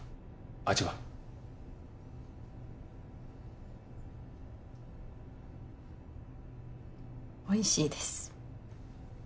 味はおいしいです